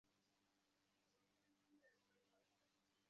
মধুসূদন আজ দৈবজ্ঞকে ডাকিয়ে শুভযাত্রার লগ্ন ঠিক করে রেখেছিল।